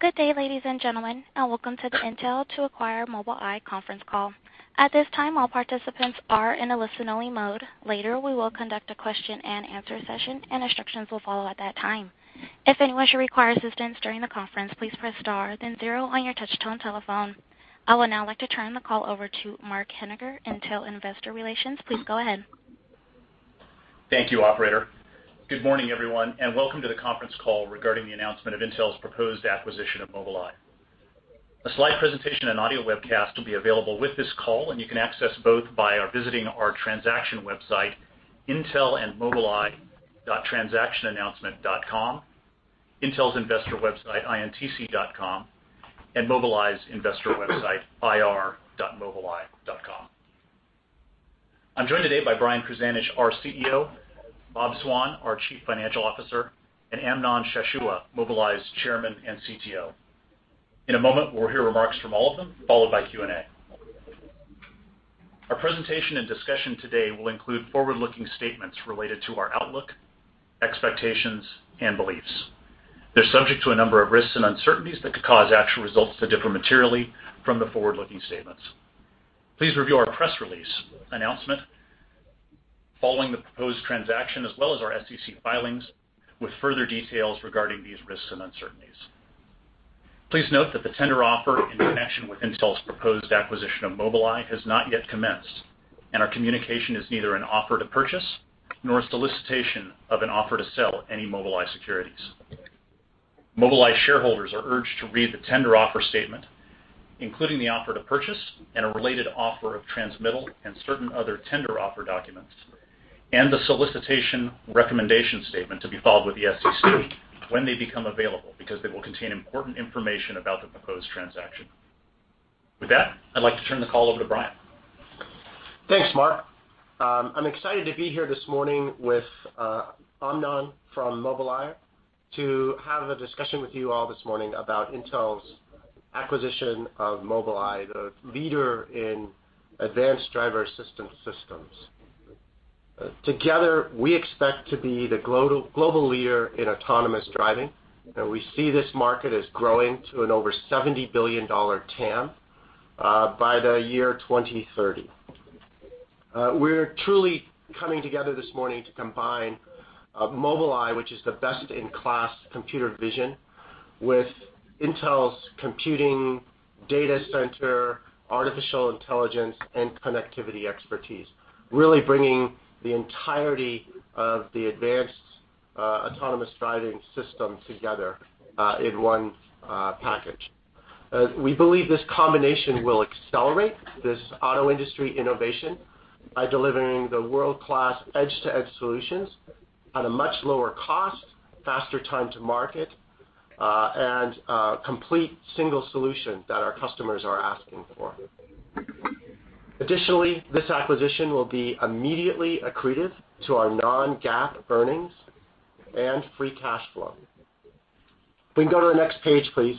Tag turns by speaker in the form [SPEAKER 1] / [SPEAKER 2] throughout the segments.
[SPEAKER 1] Good day, ladies and gentlemen. Welcome to the Intel to acquire Mobileye conference call. At this time, all participants are in a listen-only mode. Later, we will conduct a question-and-answer session, and instructions will follow at that time. If anyone should require assistance during the conference, please press star then zero on your touch-tone telephone. I would now like to turn the call over to Mark Henninger, Intel Investor Relations. Please go ahead.
[SPEAKER 2] Thank you, operator. Good morning, everyone. Welcome to the conference call regarding the announcement of Intel's proposed acquisition of Mobileye. A slide presentation and audio webcast will be available with this call. You can access both by visiting our transaction website, intelandmobileye.transactionannouncement.com, Intel's investor website, intc.com, and Mobileye's investor website, ir.mobileye.com. I'm joined today by Brian Krzanich, our CEO, Bob Swan, our Chief Financial Officer, and Amnon Shashua, Mobileye's Chairman and CTO. In a moment, we'll hear remarks from all of them, followed by Q&A. Our presentation and discussion today will include forward-looking statements related to our outlook, expectations, and beliefs. They're subject to a number of risks and uncertainties that could cause actual results to differ materially from the forward-looking statements. Please review our press release announcement following the proposed transaction, as well as our SEC filings with further details regarding these risks and uncertainties. Please note that the tender offer in connection with Intel's proposed acquisition of Mobileye has not yet commenced. Our communication is neither an offer to purchase nor a solicitation of an offer to sell any Mobileye securities. Mobileye shareholders are urged to read the tender offer statement, including the offer to purchase, a related offer of transmittal and certain other tender offer documents, and the solicitation recommendation statement to be filed with the SEC when they become available. They will contain important information about the proposed transaction. With that, I'd like to turn the call over to Brian.
[SPEAKER 3] Thanks, Mark. I'm excited to be here this morning with Amnon from Mobileye to have a discussion with you all this morning about Intel's acquisition of Mobileye, the leader in advanced driver-assistance systems. Together, we expect to be the global leader in autonomous driving. We see this market as growing to an over $70 billion TAM by the year 2030. We're truly coming together this morning to combine Mobileye, which is the best-in-class computer vision, with Intel's computing data center, artificial intelligence, connectivity expertise, really bringing the entirety of the advanced autonomous driving system together in one package. We believe this combination will accelerate this auto industry innovation by delivering the world-class edge-to-edge solutions at a much lower cost, faster time to market, and a complete single solution that our customers are asking for. Additionally, this acquisition will be immediately accretive to our non-GAAP earnings and free cash flow. We can go to the next page, please.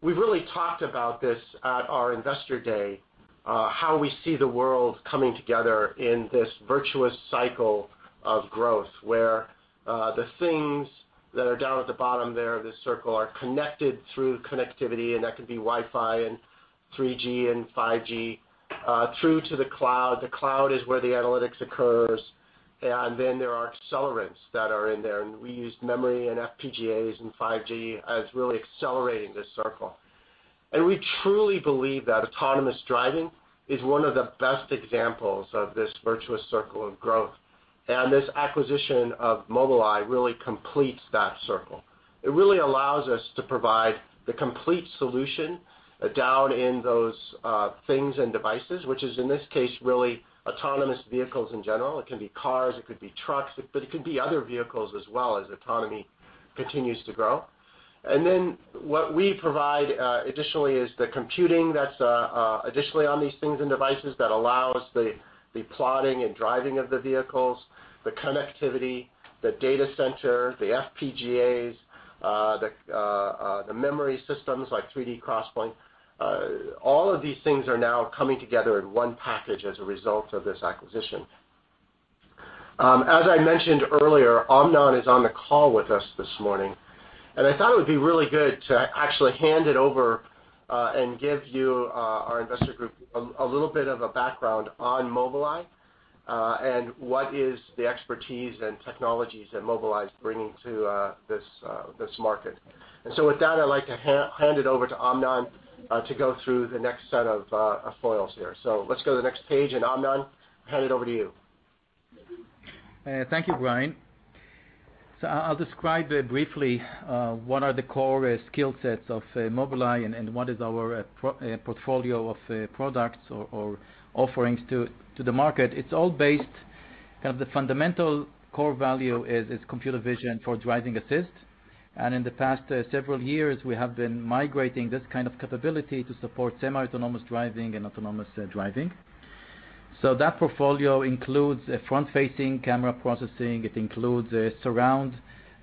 [SPEAKER 3] We've really talked about this at our investor day, how we see the world coming together in this virtuous cycle of growth, where the things that are down at the bottom there of this circle are connected through connectivity, and that can be Wi-Fi and 3G and 5G, through to the cloud. The cloud is where the analytics occurs. There are accelerants that are in there, and we use memory and FPGAs and 5G as really accelerating this circle. We truly believe that autonomous driving is one of the best examples of this virtuous circle of growth. This acquisition of Mobileye really completes that circle. It really allows us to provide the complete solution down in those things and devices, which is, in this case, really autonomous vehicles in general. It can be cars, it could be trucks, but it could be other vehicles as well as autonomy continues to grow. What we provide additionally is the computing that's additionally on these things and devices that allows the plotting and driving of the vehicles, the connectivity, the data center, the FPGAs, the memory systems like 3D XPoint. All of these things are now coming together in one package as a result of this acquisition. As I mentioned earlier, Amnon is on the call with us this morning. I thought it would be really good to actually hand it over and give you, our investor group, a little bit of a background on Mobileye and what is the expertise and technologies that Mobileye is bringing to this market. With that, I'd like to hand it over to Amnon to go through the next set of foils here. Let's go to the next page. Amnon, I'll hand it over to you.
[SPEAKER 4] Thank you, Brian. I'll describe briefly what are the core skill sets of Mobileye and what is our portfolio of products or offerings to the market. It's all based, the fundamental core value is computer vision for driving assist. In the past several years, we have been migrating this kind of capability to support semi-autonomous driving and autonomous driving. That portfolio includes front-facing camera processing. It includes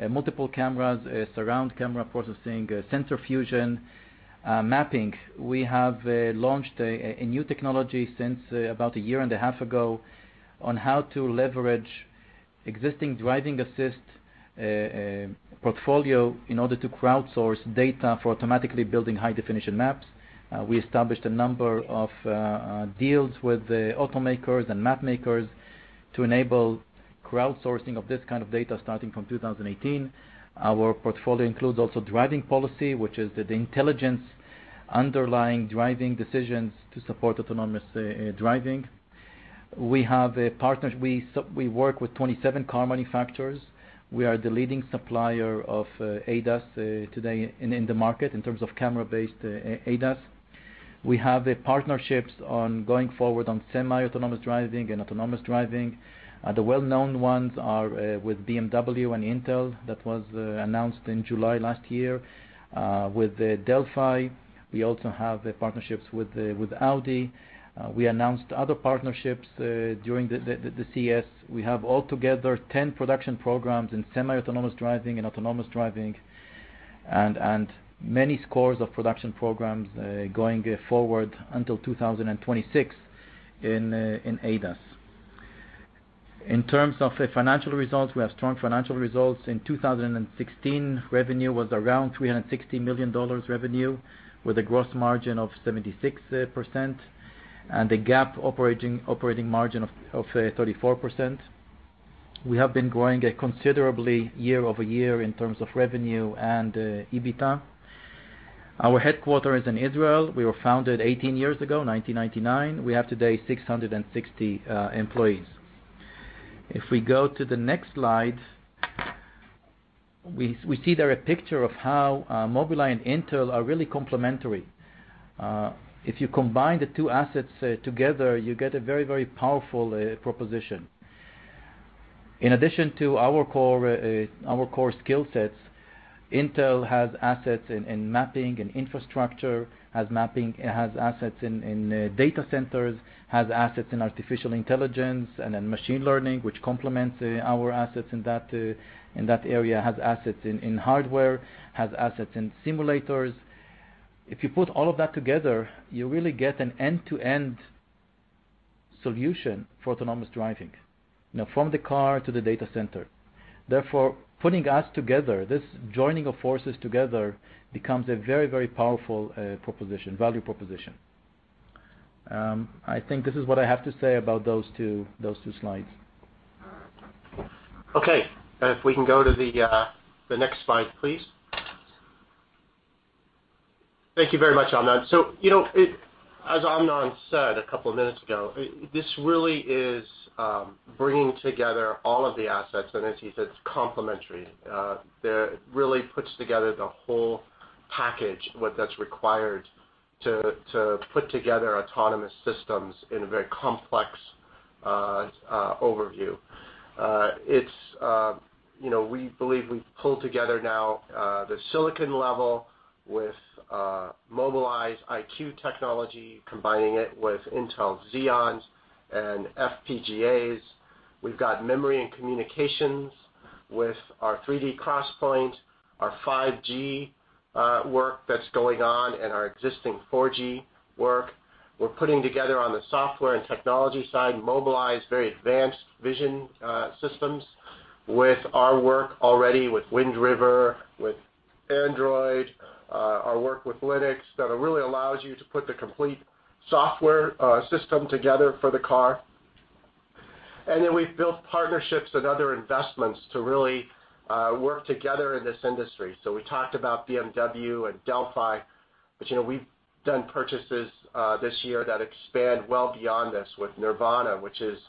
[SPEAKER 4] multiple cameras, surround camera processing, sensor fusion, mapping. We have launched a new technology since about a year and a half ago on how to leverage existing driving assist portfolio in order to crowdsource data for automatically building high-definition maps. We established a number of deals with automakers and map makers to enable crowdsourcing of this kind of data starting from 2018. Our portfolio includes also driving policy, which is the intelligence underlying driving decisions to support autonomous driving. We work with 27 car manufacturers. We are the leading supplier of ADAS today in the market in terms of camera-based ADAS. We have partnerships going forward on semi-autonomous driving and autonomous driving. The well-known ones are with BMW and Intel. That was announced in July last year with Delphi. We also have partnerships with Audi. We announced other partnerships during the CES. We have altogether 10 production programs in semi-autonomous driving and autonomous driving, and many scores of production programs going forward until 2026 in ADAS. In terms of financial results, we have strong financial results. In 2016, revenue was around $360 million revenue with a gross margin of 76% and a GAAP operating margin of 34%. We have been growing considerably year-over-year in terms of revenue and EBITDA. Our headquarter is in Israel. We were founded 18 years ago, 1999. We have today 660 employees. If we go to the next slide, we see there a picture of how Mobileye and Intel are really complementary. If you combine the two assets together, you get a very, very powerful proposition. In addition to our core skill sets, Intel has assets in mapping and infrastructure, has assets in data centers, has assets in artificial intelligence and in machine learning, which complements our assets in that area, has assets in hardware, has assets in simulators. If you put all of that together, you really get an end-to-end solution for autonomous driving, from the car to the data center. Putting us together, this joining of forces together becomes a very, very powerful value proposition. I think this is what I have to say about those two slides.
[SPEAKER 3] Okay. If we can go to the next slide, please. Thank you very much, Amnon. As Amnon said a couple of minutes ago, this really is bringing together all of the assets, and as he said, it's complementary. It really puts together the whole package, what that's required to put together autonomous systems in a very complex overview. We believe we've pulled together now the silicon level with Mobileye EyeQ technology, combining it with Intel Xeons and FPGAs. We've got memory and communications with our 3D XPoint, our 5G work that's going on, and our existing 4G work. We're putting together on the software and technology side, Mobileye's very advanced vision systems with our work already with Wind River, with Android, our work with Linux, that really allows you to put the complete software system together for the car. We've built partnerships and other investments to really work together in this industry. We talked about BMW and Delphi, but we've done purchases this year that expand well beyond this with Nervana Systems, which is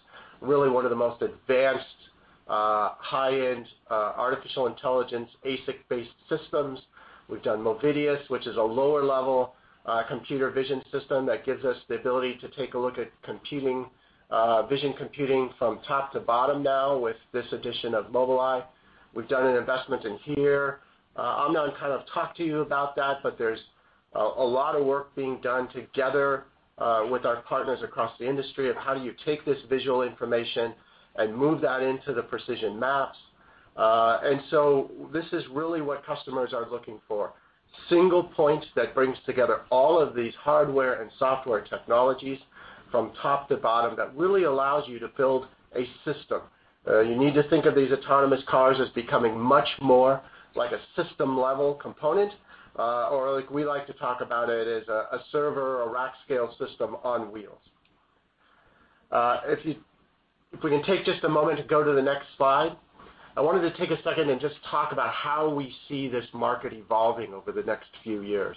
[SPEAKER 3] really one of the most advanced high-end artificial intelligence ASIC-based systems. We've done Movidius, which is a lower-level computer vision system that gives us the ability to take a look at vision computing from top to bottom now with this addition of Mobileye. We've done an investment in HERE. Amnon kind of talked to you about that, but there's a lot of work being done together with our partners across the industry of how do you take this visual information and move that into the precision maps. This is really what customers are looking for, single points that brings together all of these hardware and software technologies from top to bottom that really allows you to build a system. You need to think of these autonomous cars as becoming much more like a system-level component, or like we like to talk about it as a server or rack scale system on wheels. If we can take just a moment to go to the next slide. I wanted to take a second and just talk about how we see this market evolving over the next few years.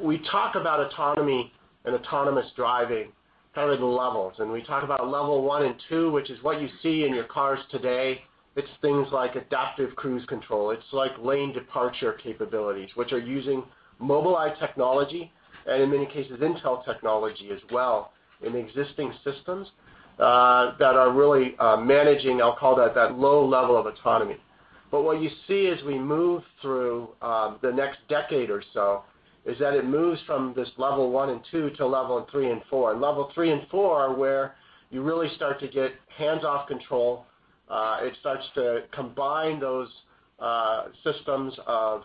[SPEAKER 3] We talk about autonomy and autonomous driving kind of in levels, and we talk about level 1 and 2, which is what you see in your cars today. It's things like adaptive cruise control. It's like lane departure capabilities, which are using Mobileye technology, and in many cases, Intel technology as well in existing systems that are really managing, I'll call that low level of autonomy. What you see as we move through the next decade or so is that it moves from this level 1 and 2 to level 3 and 4. Level 3 and 4 are where you really start to get hands-off control. It starts to combine those systems of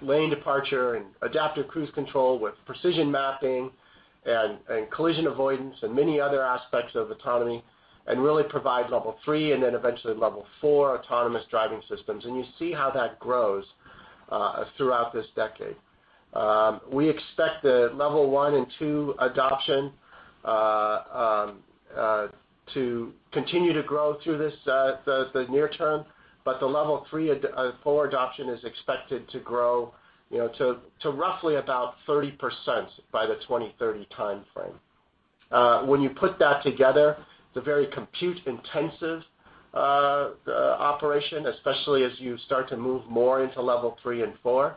[SPEAKER 3] lane departure and adaptive cruise control with precision mapping and collision avoidance and many other aspects of autonomy, and really provide level 3 and then eventually level 4 autonomous driving systems. You see how that grows throughout this decade. We expect the level 1 and 2 adoption to continue to grow through the near term, the level 3 and 4 adoption is expected to grow to roughly about 30% by the 2030 timeframe. When you put that together, the very compute-intensive operation, especially as you start to move more into level 3 and 4,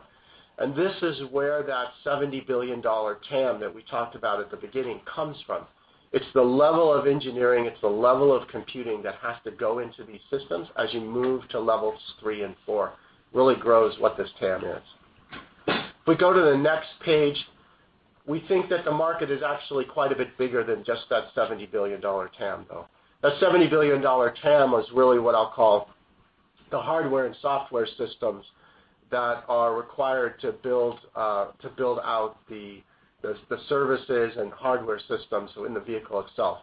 [SPEAKER 3] this is where that $70 billion TAM that we talked about at the beginning comes from. It's the level of engineering, it's the level of computing that has to go into these systems as you move to levels 3 and 4, really grows what this TAM is. If we go to the next page, we think that the market is actually quite a bit bigger than just that $70 billion TAM, though. That $70 billion TAM was really what I'll call the hardware and software systems that are required to build out the services and hardware systems in the vehicle itself.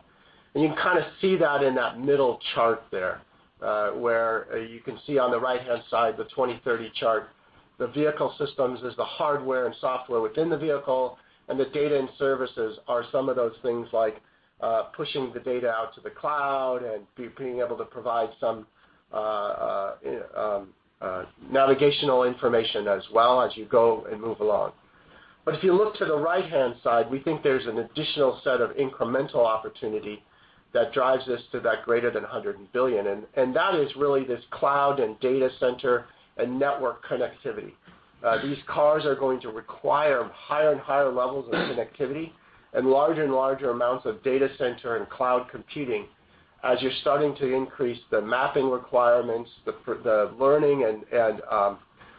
[SPEAKER 3] You can kind of see that in that middle chart there, where you can see on the right-hand side, the 2030 chart, the vehicle systems is the hardware and software within the vehicle, and the data and services are some of those things like pushing the data out to the cloud and being able to provide some navigational information as well as you go and move along. If you look to the right-hand side, we think there's an additional set of incremental opportunity that drives us to that greater than $100 billion. That is really this cloud and data center and network connectivity. These cars are going to require higher and higher levels of connectivity and larger and larger amounts of data center and cloud computing as you're starting to increase the mapping requirements, the learning, and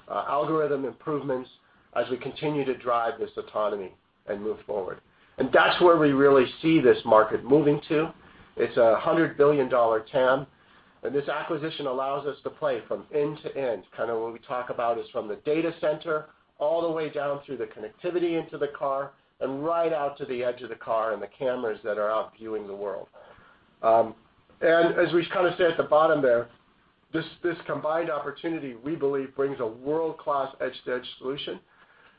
[SPEAKER 3] algorithm improvements as we continue to drive this autonomy and move forward. That's where we really see this market moving to. It's a $100 billion TAM, and this acquisition allows us to play from end to end. What we talk about is from the data center all the way down through the connectivity into the car and right out to the edge of the car and the cameras that are out viewing the world. As we kind of say at the bottom there, this combined opportunity, we believe, brings a world-class edge-to-edge solution,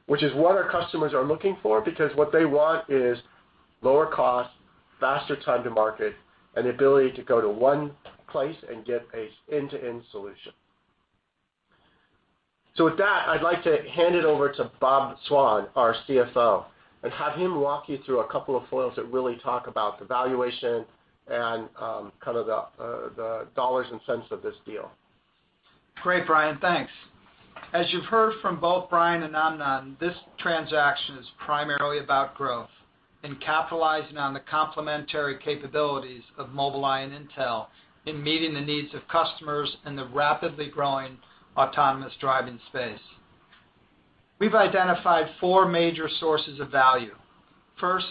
[SPEAKER 3] which is what our customers are looking for, because what they want is lower cost, faster time to market, and the ability to go to one place and get an end-to-end solution. With that, I'd like to hand it over to Bob Swan, our CFO, and have him walk you through a couple of foils that really talk about the valuation and kind of the dollars and cents of this deal.
[SPEAKER 5] Great, Brian. Thanks. As you've heard from both Brian and Amnon, this transaction is primarily about growth and capitalizing on the complementary capabilities of Mobileye and Intel in meeting the needs of customers in the rapidly growing autonomous driving space. We've identified four major sources of value. First,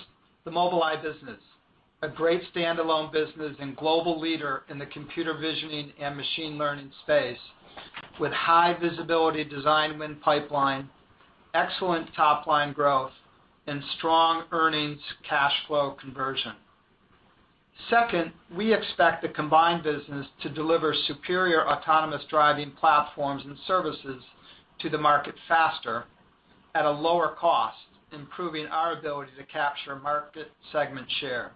[SPEAKER 5] the Mobileye business, a great standalone business and global leader in the computer visioning and machine learning space with high visibility design win pipeline, excellent top-line growth, and strong earnings cash flow conversion. Second, we expect the combined business to deliver superior autonomous driving platforms and services to the market faster at a lower cost, improving our ability to capture market segment share.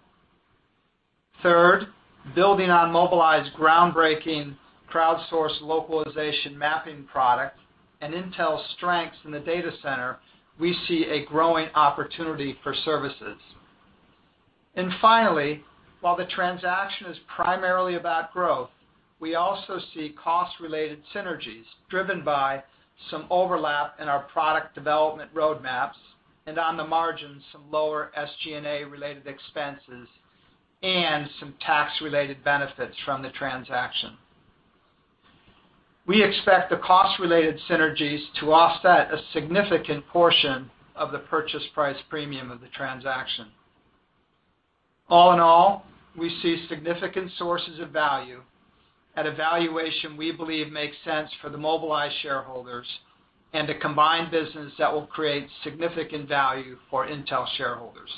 [SPEAKER 5] Third, building on Mobileye's groundbreaking crowdsourced localization mapping product and Intel's strengths in the data center, we see a growing opportunity for services. Finally, while the transaction is primarily about growth, we also see cost-related synergies driven by some overlap in our product development roadmaps, and on the margins, some lower SG&A-related expenses and some tax-related benefits from the transaction. We expect the cost-related synergies to offset a significant portion of the purchase price premium of the transaction. All in all, we see significant sources of value at a valuation we believe makes sense for the Mobileye shareholders and a combined business that will create significant value for Intel shareholders.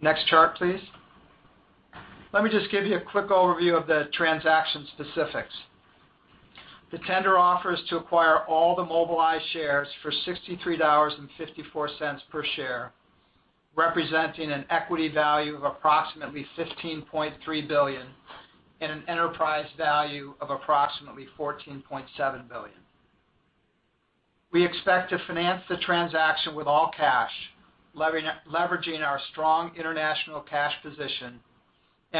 [SPEAKER 5] Next chart, please. Let me just give you a quick overview of the transaction specifics. The tender offer is to acquire all the Mobileye shares for $63.54 per share, representing an equity value of approximately $15.3 billion and an enterprise value of approximately $14.7 billion. We expect to finance the transaction with all cash, leveraging our strong international cash position,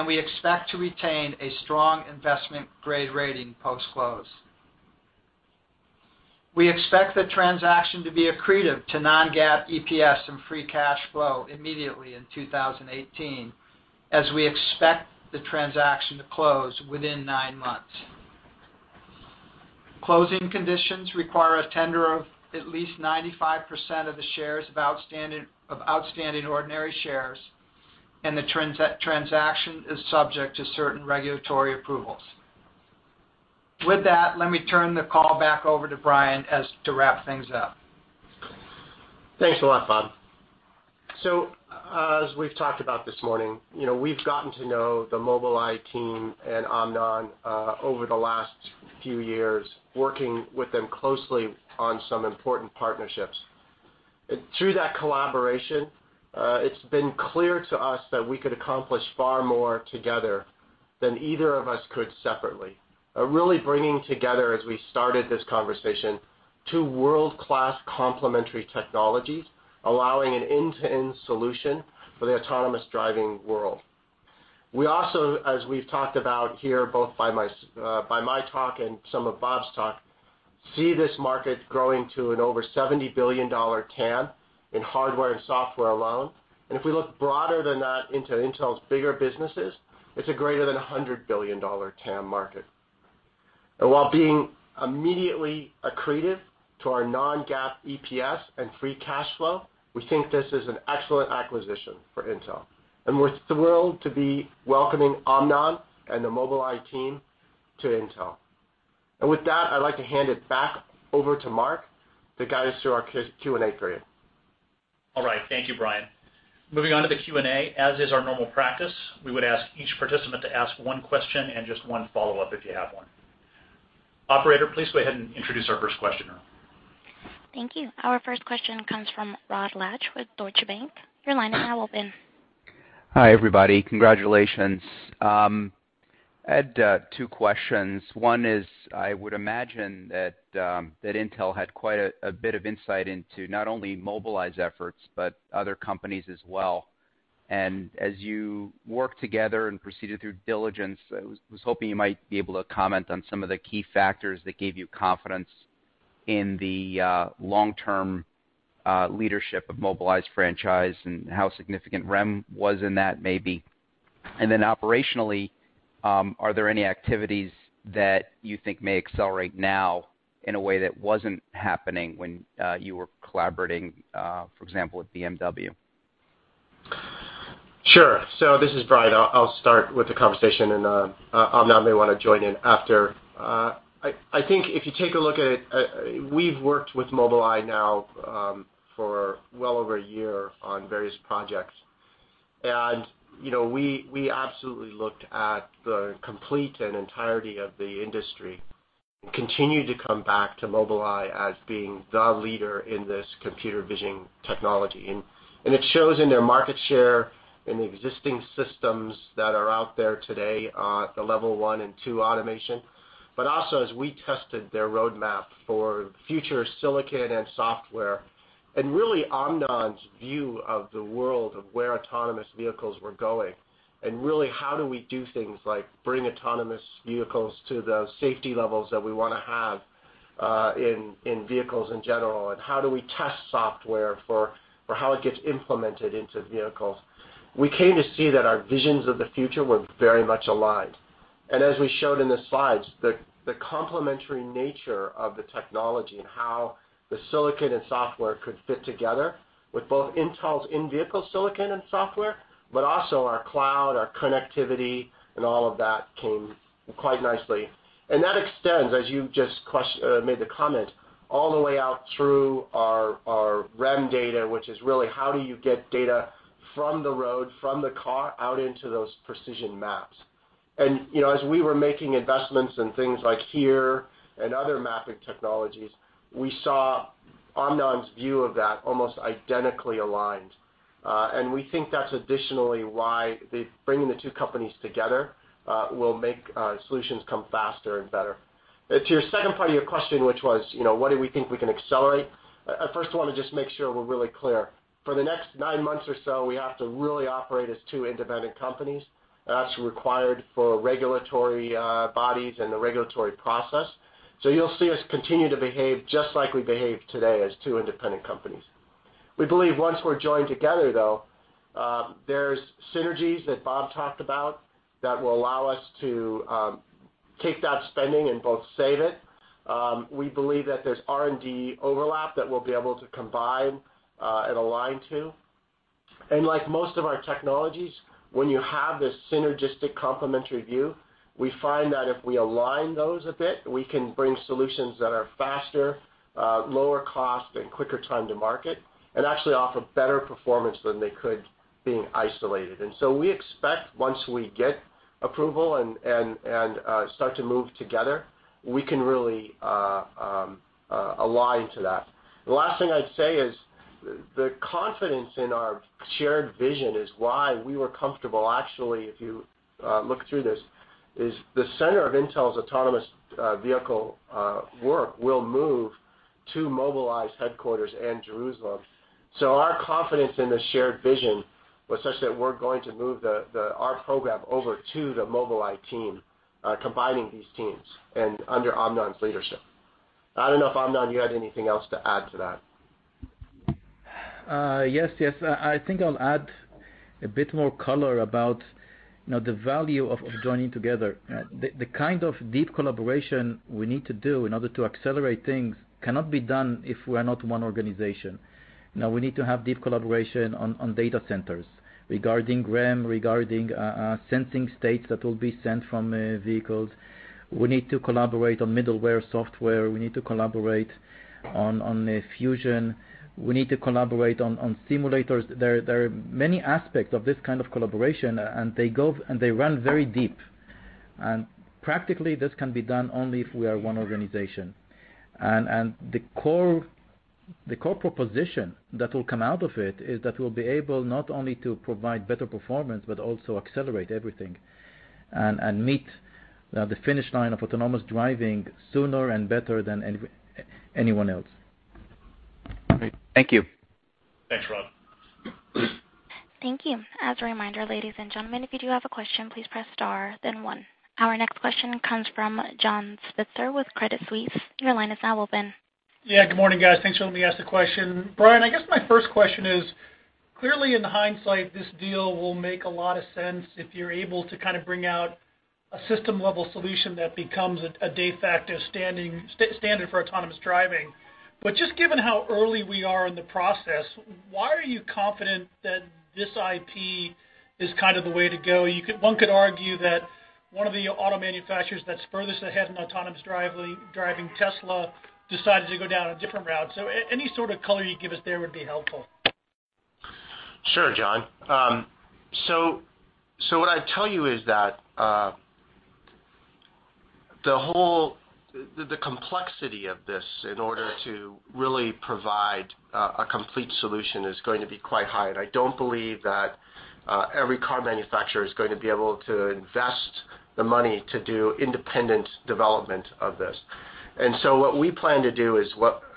[SPEAKER 5] we expect to retain a strong investment-grade rating post-close. We expect the transaction to be accretive to non-GAAP EPS and free cash flow immediately in 2018, as we expect the transaction to close within nine months. Closing conditions require a tender of at least 95% of the shares of outstanding ordinary shares. The transaction is subject to certain regulatory approvals. With that, let me turn the call back over to Brian to wrap things up.
[SPEAKER 3] Thanks a lot, Bob. As we've talked about this morning, we've gotten to know the Mobileye team and Amnon over the last few years, working with them closely on some important partnerships. Through that collaboration, it's been clear to us that we could accomplish far more together than either of us could separately. Really bringing together, as we started this conversation, two world-class complementary technologies, allowing an end-to-end solution for the autonomous driving world. We also, as we've talked about here, both by my talk and some of Bob's talk, see this market growing to an over $70 billion TAM in hardware and software alone. If we look broader than that into Intel's bigger businesses, it's a greater than $100 billion TAM market. While being immediately accretive to our non-GAAP EPS and free cash flow, we think this is an excellent acquisition for Intel, and we're thrilled to be welcoming Amnon and the Mobileye team to Intel. With that, I'd like to hand it back over to Mark to guide us through our Q&A period.
[SPEAKER 2] All right. Thank you, Brian. Moving on to the Q&A. As is our normal practice, we would ask each participant to ask one question and just one follow-up if you have one. Operator, please go ahead and introduce our first questioner.
[SPEAKER 1] Thank you. Our first question comes from Rod Lache with Deutsche Bank. Your line is now open.
[SPEAKER 6] Hi, everybody. Congratulations. I had two questions. One is, I would imagine that Intel had quite a bit of insight into not only Mobileye's efforts but other companies as well. As you worked together and proceeded through diligence, I was hoping you might be able to comment on some of the key factors that gave you confidence in the long-term leadership of Mobileye's franchise and how significant REM was in that, maybe. Then operationally, are there any activities that you think may accelerate now in a way that wasn't happening when you were collaborating, for example, with BMW?
[SPEAKER 3] Sure. This is Brian. I'll start with the conversation, and Amnon may want to join in after. I think if you take a look at it, we've worked with Mobileye now for well over a year on various projects. We absolutely looked at the complete and entirety of the industry and continued to come back to Mobileye as being the leader in this computer vision technology. It shows in their market share in the existing systems that are out there today at the level 1 and 2 automation, but also as we tested their roadmap for future silicon and software, and really Amnon's view of the world of where autonomous vehicles were going, and really how do we do things like bring autonomous vehicles to the safety levels that we want to have in vehicles in general, and how do we test software for how it gets implemented into vehicles. We came to see that our visions of the future were very much aligned. As we showed in the slides, the complementary nature of the technology and how the silicon and software could fit together with both Intel's in-vehicle silicon and software, but also our cloud, our connectivity, and all of that came quite nicely. That extends, as you just made the comment, all the way out through our REM data, which is really how do you get data from the road, from the car, out into those precision maps. As we were making investments in things like HERE and other mapping technologies, we saw Amnon's view of that almost identically aligned. We think that's additionally why bringing the two companies together will make solutions come faster and better. To your second part of your question, which was what do we think we can accelerate? I first want to just make sure we're really clear. For the next nine months or so, we have to really operate as two independent companies. That's required for regulatory bodies and the regulatory process. You'll see us continue to behave just like we behave today as two independent companies. We believe once we're joined together, though, there's synergies that Bob talked about that will allow us to take that spending and both save it. We believe that there's R&D overlap that we'll be able to combine and align to. Like most of our technologies, when you have this synergistic complementary view, we find that if we align those a bit, we can bring solutions that are faster, lower cost, and quicker time to market, and actually offer better performance than they could being isolated. We expect once we get approval and start to move together, we can really align to that. The last thing I'd say is the confidence in our shared vision is why we were comfortable. Actually, if you look through this, is the center of Intel's autonomous vehicle work will move to Mobileye's headquarters in Jerusalem. Our confidence in the shared vision was such that we're going to move our program over to the Mobileye team, combining these teams and under Amnon's leadership. I don't know if, Amnon, you had anything else to add to that.
[SPEAKER 4] Yes. I think I'll add a bit more color about the value of joining together. The kind of deep collaboration we need to do in order to accelerate things cannot be done if we are not one organization. We need to have deep collaboration on data centers regarding REM, regarding sensing states that will be sent from vehicles. We need to collaborate on middleware software. We need to collaborate on fusion. We need to collaborate on simulators. There are many aspects of this kind of collaboration, and they run very deep. Practically, this can be done only if we are one organization. The core proposition that will come out of it is that we'll be able not only to provide better performance, but also accelerate everything and meet the finish line of autonomous driving sooner and better than anyone else.
[SPEAKER 6] Great. Thank you.
[SPEAKER 3] Thanks, Rod.
[SPEAKER 1] Thank you. As a reminder, ladies and gentlemen, if you do have a question, please press star then one. Our next question comes from John Pitzer with Credit Suisse. Your line is now open.
[SPEAKER 7] Yeah. Good morning, guys. Thanks for letting me ask the question. Brian, I guess my first question is, clearly in hindsight, this deal will make a lot of sense if you're able to bring out a system-level solution that becomes a de facto standard for autonomous driving. Just given how early we are in the process, why are you confident that this IP is the way to go? One could argue that one of the auto manufacturers that's furthest ahead in autonomous driving, Tesla, decided to go down a different route. Any sort of color you'd give us there would be helpful.
[SPEAKER 3] Sure, John. What I'd tell you is that the complexity of this in order to really provide a complete solution is going to be quite high. I don't believe that every car manufacturer is going to be able to invest the money to do independent development of this. What we plan to do is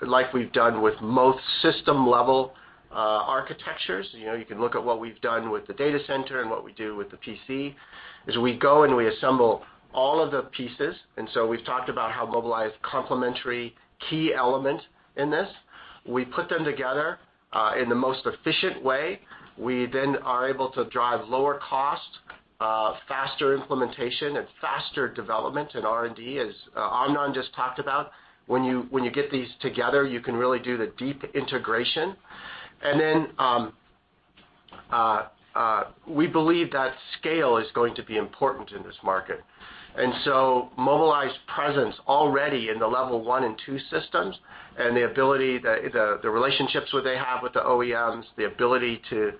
[SPEAKER 3] like we've done with most system-level architectures, you can look at what we've done with the data center and what we do with the PC, is we go, and we assemble all of the pieces. We've talked about how Mobileye is a complementary key element in this. We put them together in the most efficient way. We are able to drive lower cost, faster implementation, and faster development in R&D, as Amnon just talked about. When you get these together, you can really do the deep integration. We believe that scale is going to be important in this market. Mobileye's presence already in the level 1 and 2 systems and the relationships they have with the OEMs, the ability to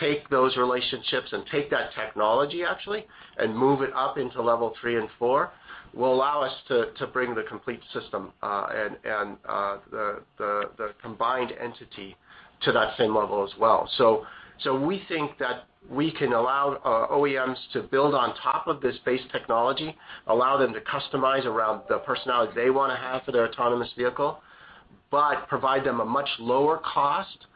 [SPEAKER 3] take those relationships and take that technology actually, and move it up into level 3 and 4, will allow us to bring the complete system and the combined entity to that same level as well. We think that we can allow our OEMs to build on top of this base technology, allow them to customize around the personality they want to have for their autonomous vehicle, but provide them a much lower cost,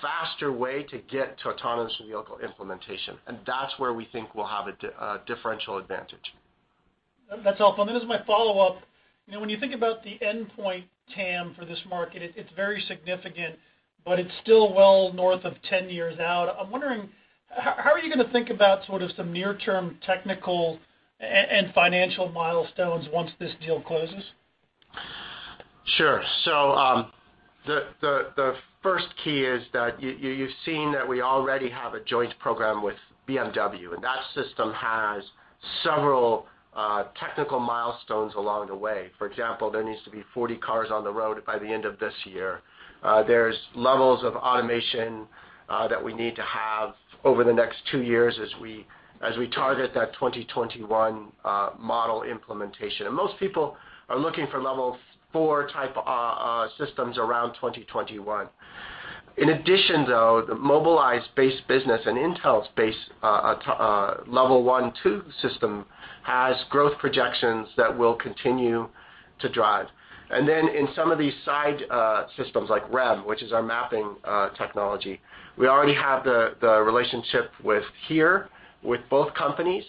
[SPEAKER 3] faster way to get to autonomous vehicle implementation. That's where we think we'll have a differential advantage.
[SPEAKER 7] That's helpful. As my follow-up, when you think about the endpoint TAM for this market, it's very significant, but it's still well north of 10 years out. I'm wondering, how are you going to think about some near-term technical and financial milestones once this deal closes?
[SPEAKER 3] Sure. The first key is that you've seen that we already have a joint program with BMW, and that system has several technical milestones along the way. For example, there needs to be 40 cars on the road by the end of this year. There's levels of automation that we need to have over the next two years as we target that 2021 model implementation. Most people are looking for level 4 type systems around 2021. In addition, though, the Mobileye's base business and Intel's base level 1, 2 system has growth projections that we'll continue to drive. In some of these side systems like REM, which is our mapping technology, we already have the relationship with HERE, with both companies,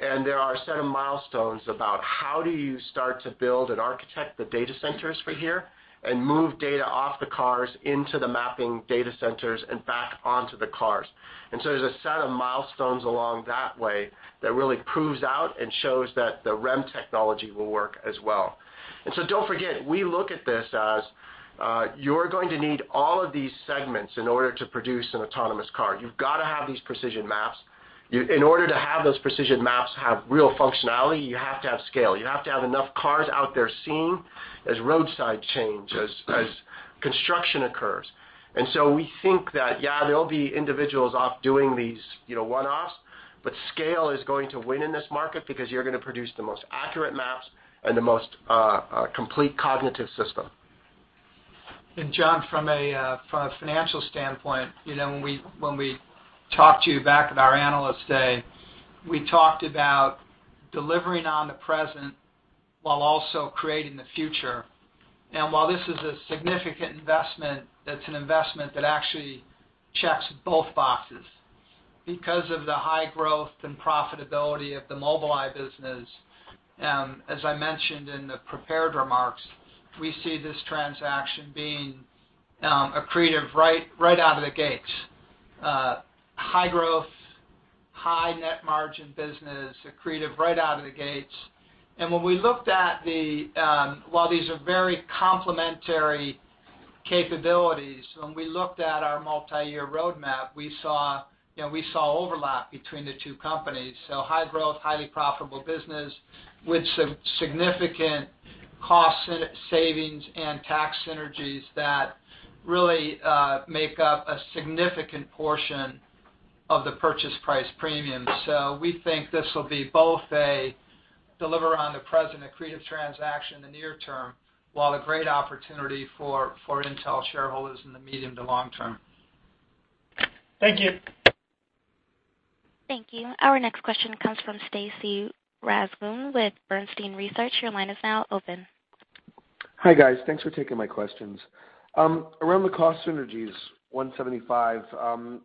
[SPEAKER 3] and there are a set of milestones about how do you start to build and architect the data centers for HERE and move data off the cars into the mapping data centers and back onto the cars. There's a set of milestones along that way that really proves out and shows that the REM technology will work as well. Don't forget, we look at this as you're going to need all of these segments in order to produce an autonomous car. You've got to have these precision maps. In order to have those precision maps have real functionality, you have to have scale. You have to have enough cars out there seeing as roadside change, as construction occurs. We think that, yeah, there'll be individuals off doing these one-offs, but scale is going to win in this market because you're going to produce the most accurate maps and the most complete cognitive system.
[SPEAKER 5] John, from a financial standpoint, when we talked to you back at our Analyst Day, we talked about delivering on the present while also creating the future. While this is a significant investment, it's an investment that actually checks both boxes. Because of the high growth and profitability of the Mobileye business, as I mentioned in the prepared remarks, we see this transaction being accretive right out of the gates. High growth, high net margin business, accretive right out of the gates. While these are very complementary capabilities, when we looked at our multi-year roadmap, we saw overlap between the two companies. High growth, highly profitable business with significant cost savings and tax synergies that really make up a significant portion of the purchase price premium. We think this will be both a deliver on the present accretive transaction in the near term, while a great opportunity for Intel shareholders in the medium to long term.
[SPEAKER 7] Thank you.
[SPEAKER 1] Thank you. Our next question comes from Stacy Rasgon with Bernstein Research. Your line is now open.
[SPEAKER 8] Hi, guys. Thanks for taking my questions. Around the cost synergies, $175,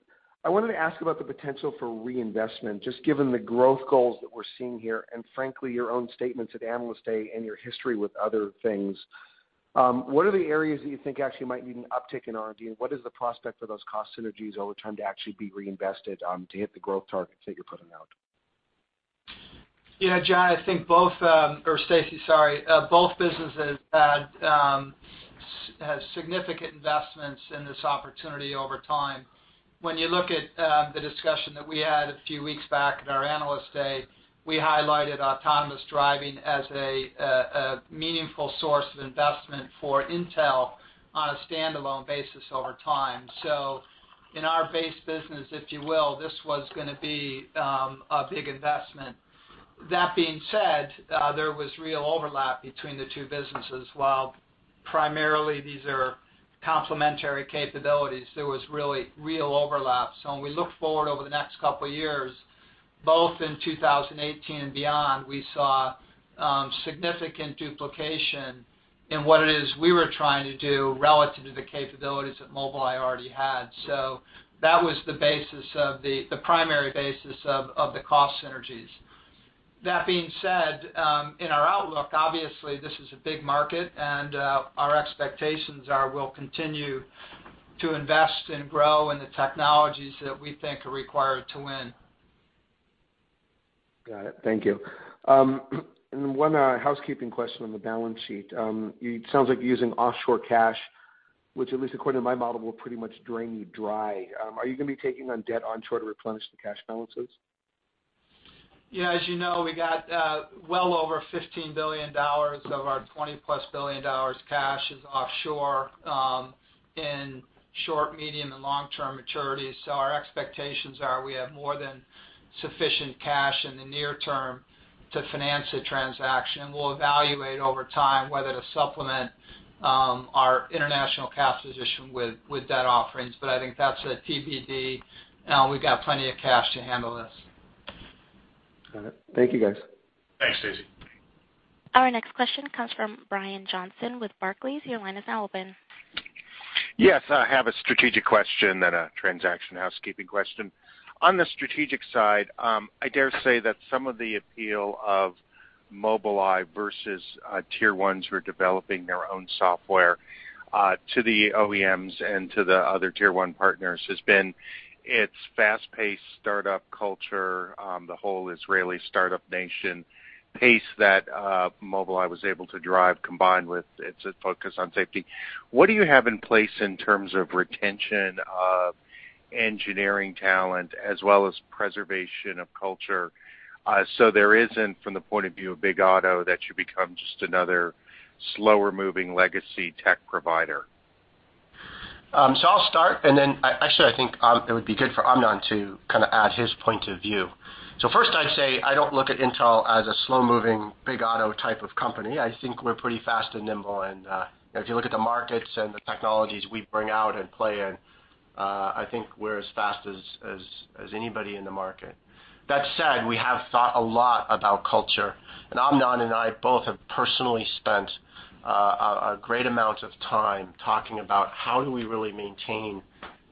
[SPEAKER 8] I wanted to ask about the potential for reinvestment, just given the growth goals that we're seeing here and frankly, your own statements at Analyst Day and your history with other things. What are the areas that you think actually might need an uptick in R&D, and what is the prospect for those cost synergies over time to actually be reinvested to hit the growth targets that you're putting out?
[SPEAKER 5] Yeah, Stacy, I think both businesses had significant investments in this opportunity over time. When you look at the discussion that we had a few weeks back at our Analyst Day, we highlighted autonomous driving as a meaningful source of investment for Intel on a standalone basis over time. In our base business, if you will, this was going to be a big investment. That being said, there was real overlap between the two businesses. While primarily these are complementary capabilities, there was really real overlap. When we look forward over the next couple of years, both in 2018 and beyond, we saw significant duplication in what it is we were trying to do relative to the capabilities that Mobileye already had. That was the primary basis of the cost synergies. That being said, in our outlook, obviously, this is a big market, and our expectations are we'll continue to invest and grow in the technologies that we think are required to win.
[SPEAKER 8] Got it. Thank you. One housekeeping question on the balance sheet. It sounds like you're using offshore cash, which at least according to my model, will pretty much drain you dry. Are you going to be taking on debt onshore to replenish the cash balances?
[SPEAKER 5] Yeah, as you know, we got well over $15 billion of our $20-plus billion cash is offshore in short, medium, and long-term maturities. Our expectations are we have more than sufficient cash in the near term to finance the transaction, and we'll evaluate over time whether to supplement our international cash position with debt offerings. I think that's a TBD. We've got plenty of cash to handle this.
[SPEAKER 8] Got it. Thank you, guys.
[SPEAKER 3] Thanks, Stacy.
[SPEAKER 1] Our next question comes from Brian Johnson with Barclays. Your line is now open.
[SPEAKER 9] Yes. I have a strategic question, then a transaction housekeeping question. On the strategic side, I dare say that some of the appeal of Mobileye versus Tier 1s who are developing their own software to the OEMs and to the other Tier 1 partners has been its fast-paced startup culture, the whole Israeli startup nation pace that Mobileye was able to drive, combined with its focus on safety. What do you have in place in terms of retention of engineering talent, as well as preservation of culture, so there isn't, from the point of view of big auto, that you become just another slower-moving legacy tech provider?
[SPEAKER 3] I'll start, and then actually, I think it would be good for Amnon to add his point of view. First, I'd say I don't look at Intel as a slow-moving, big auto type of company. I think we're pretty fast and nimble, and if you look at the markets and the technologies we bring out and play in, I think we're as fast as anybody in the market. That said, we have thought a lot about culture, and Amnon and I both have personally spent a great amount of time talking about how do we really maintain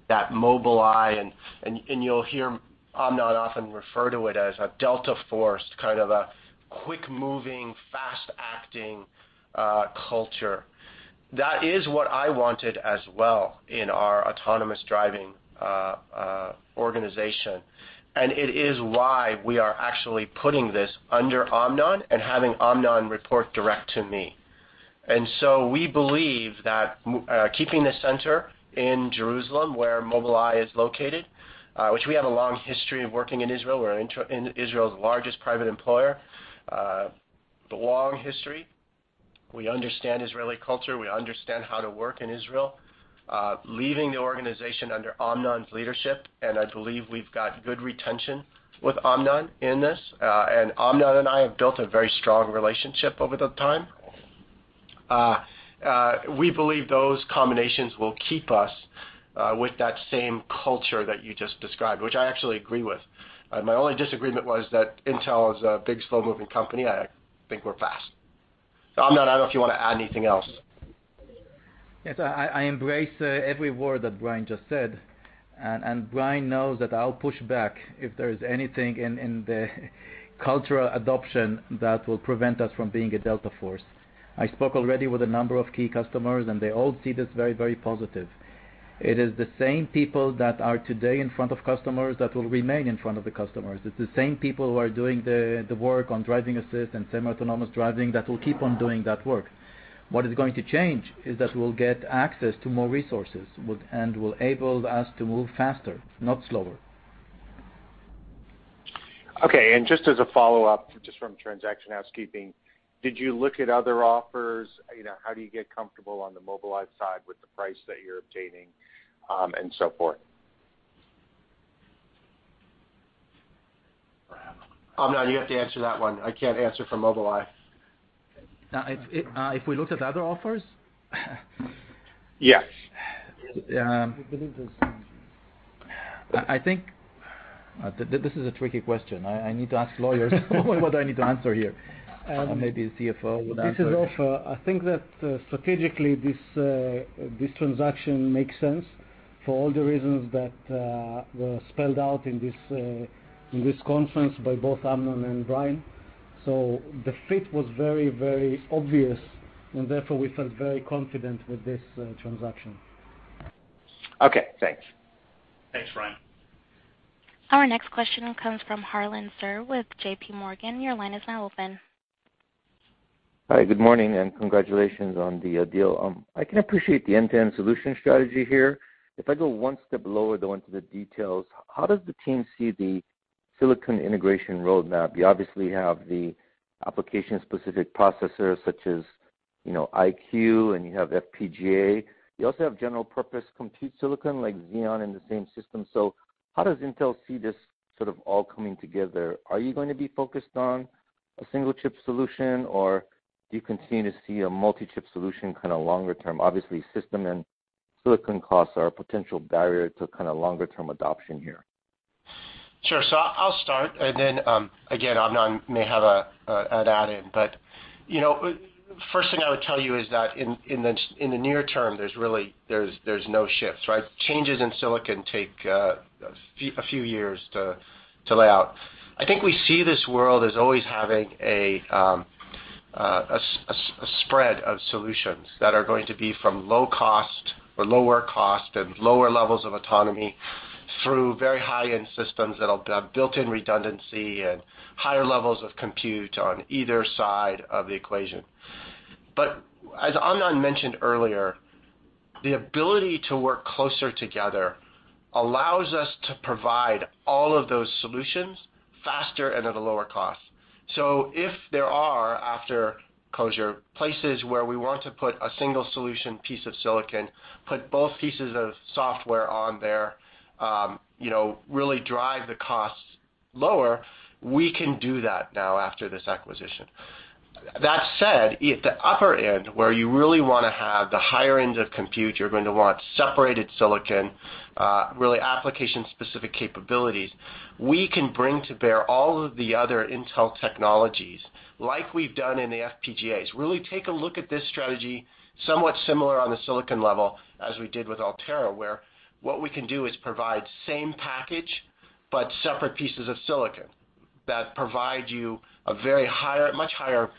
[SPEAKER 3] that Mobileye, and you'll hear Amnon often refer to it as a delta force, a quick-moving, fast-acting culture. That is what I wanted as well in our autonomous driving organization, and it is why we are actually putting this under Amnon and having Amnon report direct to me.
[SPEAKER 5] We believe that keeping the center in Jerusalem, where Mobileye is located, which we have a long history of working in Israel. We're Israel's largest private employer. A long history. We understand Israeli culture. We understand how to work in Israel. Leaving the organization under Amnon's leadership, and I believe we've got good retention with Amnon in this, and Amnon and I have built a very strong relationship over the time. We believe those combinations will keep us with that same culture that you just described, which I actually agree with. My only disagreement was that Intel is a big, slow-moving company. I think we're fast. Amnon, I don't know if you want to add anything else.
[SPEAKER 4] I embrace every word that Brian just said, Brian knows that I'll push back if there is anything in the cultural adoption that will prevent us from being a delta force. I spoke already with a number of key customers. They all see this very, very positive. It is the same people that are today in front of customers that will remain in front of the customers. It's the same people who are doing the work on driving assist and semi-autonomous driving that will keep on doing that work. What is going to change is that we'll get access to more resources, will enable us to move faster, not slower.
[SPEAKER 3] Just as a follow-up, just from transaction housekeeping, did you look at other offers? How do you get comfortable on the Mobileye side with the price that you're obtaining and so forth? Amnon, you have to answer that one. I can't answer for Mobileye.
[SPEAKER 4] If we looked at other offers?
[SPEAKER 3] Yes.
[SPEAKER 4] This is a tricky question. I need to ask lawyers what I need to answer here. Maybe the CFO would answer.
[SPEAKER 10] This is Ofer. I think that strategically, this transaction makes sense for all the reasons that were spelled out in this conference by both Amnon and Brian. The fit was very obvious, and therefore, we felt very confident with this transaction.
[SPEAKER 3] Okay, thanks.
[SPEAKER 4] Thanks, Brian.
[SPEAKER 1] Our next question comes from Harlan Sur with JP Morgan. Your line is now open.
[SPEAKER 11] Hi, good morning, and congratulations on the deal. I can appreciate the end-to-end solution strategy here. If I go one step lower, though, into the details, how does the team see the silicon integration roadmap? You obviously have the application-specific processors such as EyeQ, and you have FPGA. You also have general-purpose compute silicon like Xeon in the same system. How does Intel see this sort of all coming together? Are you going to be focused on a single-chip solution, or do you continue to see a multi-chip solution longer term? Obviously, system and silicon costs are a potential barrier to longer-term adoption here.
[SPEAKER 3] Sure. I'll start, and then, again, Amnon may have an add-in. The first thing I would tell you is that in the near term, there's no shifts, right? Changes in silicon take a few years to lay out. I think we see this world as always having a spread of solutions that are going to be from low cost or lower cost and lower levels of autonomy through very high-end systems that'll have built-in redundancy and higher levels of compute on either side of the equation. As Amnon mentioned earlier, the ability to work closer together allows us to provide all of those solutions faster and at a lower cost. If there are, after closure, places where we want to put a single solution piece of silicon, put both pieces of software on there, really drive the costs lower, we can do that now after this acquisition. That said, at the upper end, where you really want to have the higher end of compute, you're going to want separated silicon, really application-specific capabilities. We can bring to bear all of the other Intel technologies like we've done in the FPGAs. Really take a look at this strategy, somewhat similar on the silicon level as we did with Altera, where what we can do is provide same package but separate pieces of silicon that provide you a much higher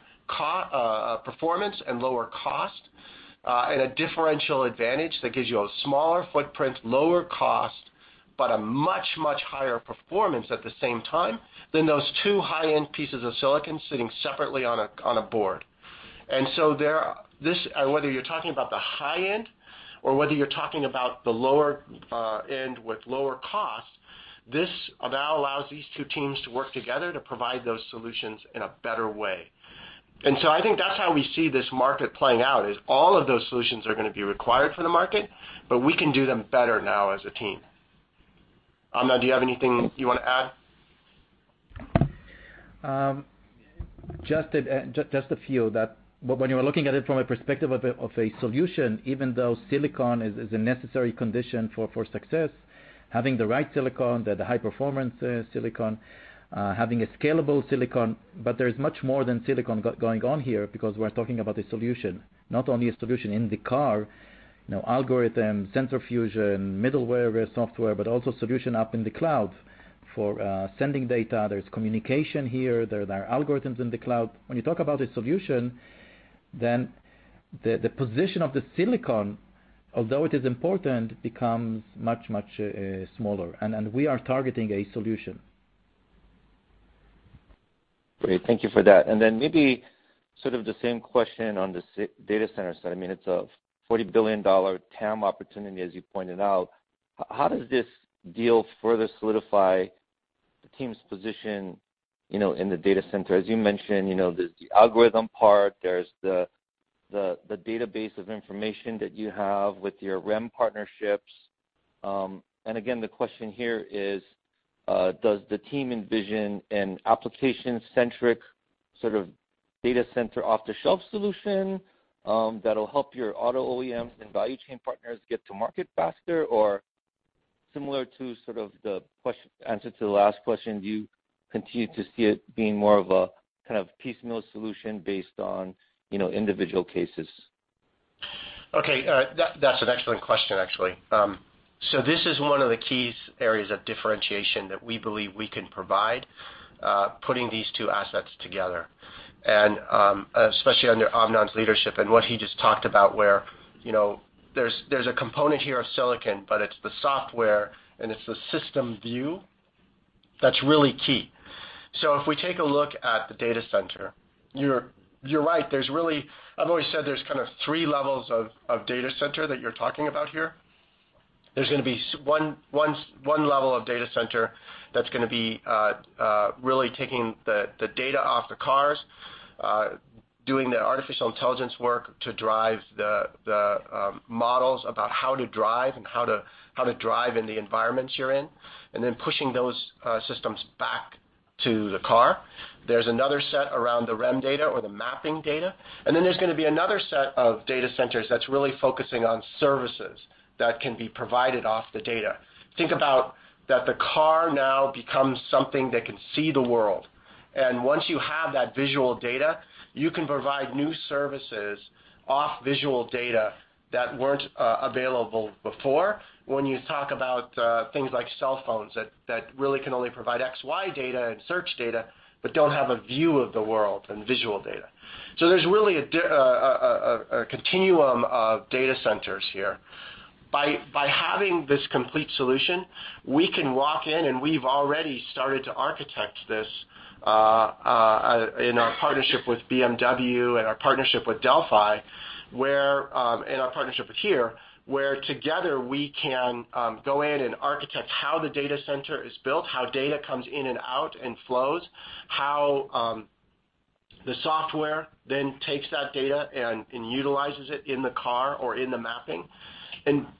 [SPEAKER 3] performance and lower cost, and a differential advantage that gives you a smaller footprint, lower cost, but a much, much higher performance at the same time than those two high-end pieces of silicon sitting separately on a board. Whether you're talking about the high end or whether you're talking about the lower end with lower cost, this now allows these two teams to work together to provide those solutions in a better way. I think that's how we see this market playing out, is all of those solutions are going to be required for the market, but we can do them better now as a team. Amnon, do you have anything you want to add?
[SPEAKER 4] Just a few that when you are looking at it from a perspective of a solution, even though silicon is a necessary condition for success, having the right silicon, the high-performance silicon, having a scalable silicon. There is much more than silicon going on here because we're talking about a solution, not only a solution in the car, algorithm, sensor fusion, middleware, software, but also solution up in the cloud for sending data. There's communication here. There are algorithms in the cloud. When you talk about a solution, the position of the silicon, although it is important, becomes much, much smaller, and we are targeting a solution.
[SPEAKER 11] Great. Thank you for that. Maybe sort of the same question on the data center side. It's a $40 billion TAM opportunity, as you pointed out. How does this deal further solidify the team's position in the data center? As you mentioned, there's the algorithm part, there's the database of information that you have with your REM partnerships. Again, the question here is, does the team envision an application-centric sort of data center off-the-shelf solution that'll help your auto OEMs and value chain partners get to market faster, or Similar to sort of the answer to the last question, do you continue to see it being more of a kind of piecemeal solution based on individual cases?
[SPEAKER 3] That's an excellent question, actually. This is one of the key areas of differentiation that we believe we can provide, putting these two assets together. Especially under Amnon's leadership and what he just talked about, where there's a component here of silicon, but it's the software and it's the system view that's really key. If we take a look at the data center, you're right. I've always said there's kind of 3 levels of data center that you're talking about here. There's going to be one level of data center that's going to be really taking the data off the cars, doing the artificial intelligence work to drive the models about how to drive and how to drive in the environments you're in, and then pushing those systems back to the car. There's another set around the REM data or the mapping data. There's going to be another set of data centers that's really focusing on services that can be provided off the data. Think about that the car now becomes something that can see the world. Once you have that visual data, you can provide new services off visual data that weren't available before. When you talk about things like cell phones, that really can only provide XY data and search data but don't have a view of the world and visual data. There's really a continuum of data centers here. By having this complete solution, we can walk in and we've already started to architect this in our partnership with BMW and our partnership with Delphi, and our partnership with HERE, where together we can go in and architect how the data center is built, how data comes in and out and flows, how the software then takes that data and utilizes it in the car or in the mapping.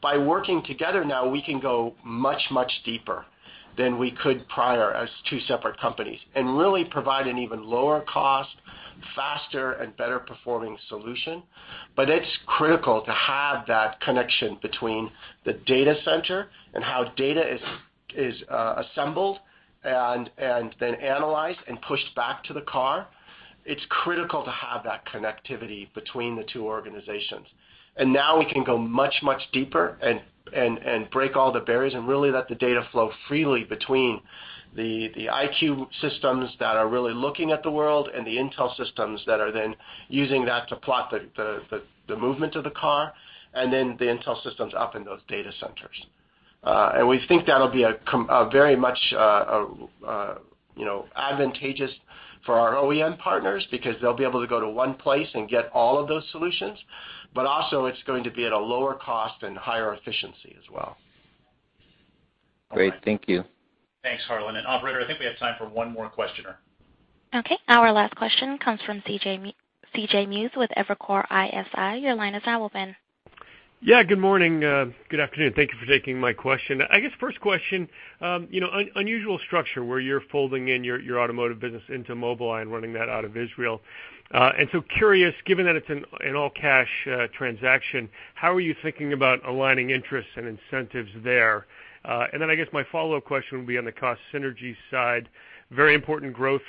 [SPEAKER 3] By working together now, we can go much, much deeper than we could prior as two separate companies and really provide an even lower cost, faster, and better-performing solution. It's critical to have that connection between the data center and how data is assembled and then analyzed and pushed back to the car. It's critical to have that connectivity between the two organizations. Now we can go much, much deeper and break all the barriers and really let the data flow freely between the EyeQ systems that are really looking at the world and the Intel systems that are then using that to plot the movement of the car, and then the Intel systems up in those data centers. We think that'll be very much advantageous for our OEM partners because they'll be able to go to one place and get all of those solutions, but also it's going to be at a lower cost and higher efficiency as well.
[SPEAKER 11] Great. Thank you.
[SPEAKER 3] Thanks, Harlan. Operator, I think we have time for one more questioner.
[SPEAKER 1] Okay. Our last question comes from C.J. Muse with Evercore ISI. Your line is now open.
[SPEAKER 12] Good morning. Good afternoon. Thank you for taking my question. I guess first question, unusual structure where you're folding in your automotive business into Mobileye and running that out of Israel. Curious, given that it's an all-cash transaction, how are you thinking about aligning interests and incentives there? Then I guess my follow-up question would be on the cost synergy side. Very important growth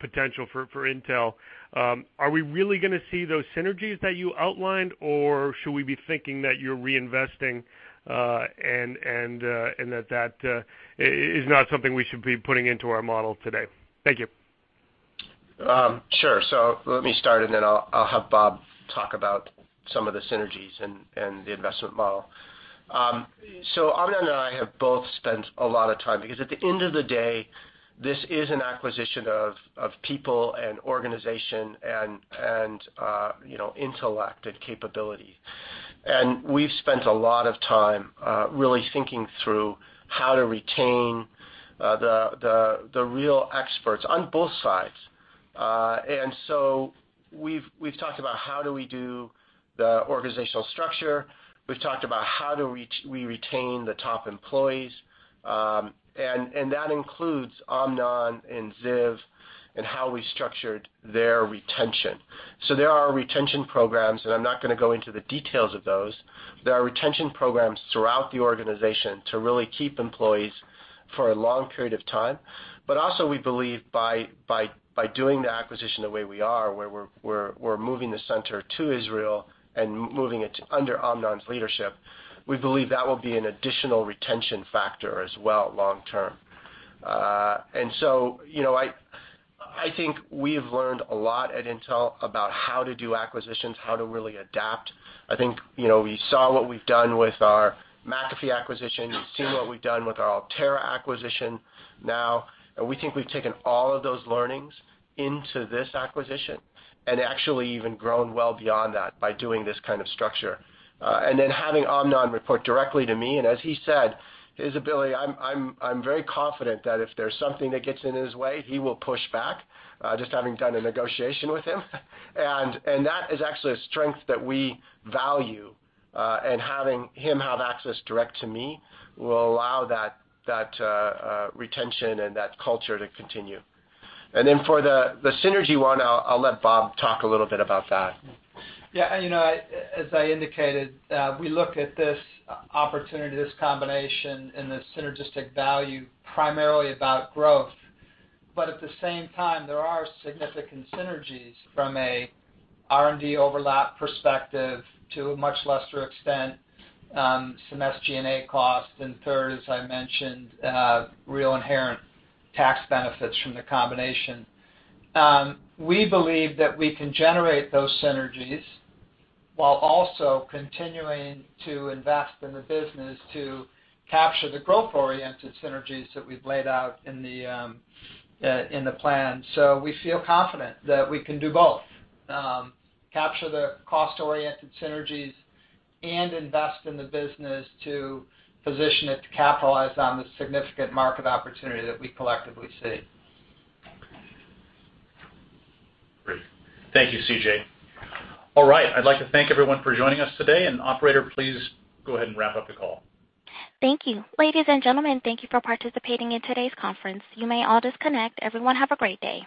[SPEAKER 12] potential for Intel. Are we really going to see those synergies that you outlined, or should we be thinking that you're reinvesting and that is not something we should be putting into our model today? Thank you.
[SPEAKER 3] Sure. Let me start and then I'll have Bob talk about some of the synergies and the investment model. Amnon and I have both spent a lot of time because at the end of the day, this is an acquisition of people and organization and intellect and capability. We've spent a lot of time really thinking through how to retain the real experts on both sides. We've talked about how do we do the organizational structure. We've talked about how do we retain the top employees. That includes Amnon and Ziv and how we structured their retention. There are retention programs, and I'm not going to go into the details of those. There are retention programs throughout the organization to really keep employees for a long period of time. Also we believe by doing the acquisition the way we are, where we're moving the center to Israel and moving it under Amnon's leadership, we believe that will be an additional retention factor as well long term. I think we've learned a lot at Intel about how to do acquisitions, how to really adapt. I think we saw what we've done with our McAfee acquisition. We've seen what we've done with our Altera acquisition now, we think we've taken all of those learnings into this acquisition and actually even grown well beyond that by doing this kind of structure. Having Amnon report directly to me, and as he said, his ability, I'm very confident that if there's something that gets in his way, he will push back, just having done a negotiation with him. That is actually a strength that we value. Having him have access direct to me will allow that retention and that culture to continue. For the synergy one, I'll let Bob talk a little bit about that.
[SPEAKER 5] Yeah, as I indicated, we look at this opportunity, this combination, and the synergistic value primarily about growth. At the same time, there are significant synergies from a R&D overlap perspective to a much lesser extent, some SG&A costs, and third, as I mentioned, real inherent tax benefits from the combination. We believe that we can generate those synergies while also continuing to invest in the business to capture the growth-oriented synergies that we've laid out in the plan. We feel confident that we can do both, capture the cost-oriented synergies and invest in the business to position it to capitalize on the significant market opportunity that we collectively see.
[SPEAKER 3] Great. Thank you, C.J. All right. I'd like to thank everyone for joining us today, and operator, please go ahead and wrap up the call.
[SPEAKER 1] Thank you. Ladies and gentlemen, thank you for participating in today's conference. You may all disconnect. Everyone have a great day.